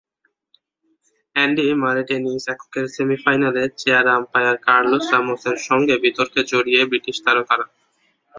Andy Murray tennis এককের সেমিফাইনালে chair umpire Carlos রামোসের সঙ্গে বিতর্কে জড়িয়ে ব্রিটিশ তারকা।